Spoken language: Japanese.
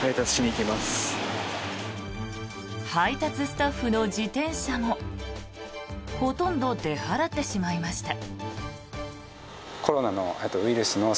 配達スタッフの自転車もほとんど出払ってしまいました。